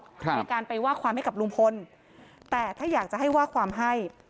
มีการไปว่าความให้กับลุงพลแต่ถ้าอยากจะให้ว่าความให้